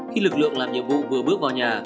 khi lực lượng làm nhiệm vụ vừa bước vào nhà